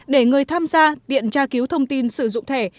để người tham gia tiện tra cứu thông tin sử dụng thẻ